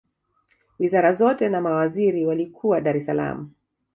wizara zote na mawaziri walikuwa dar es salaam